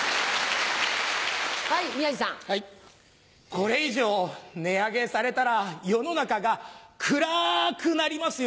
これ以上値上げされたら世の中が暗くなりますよ。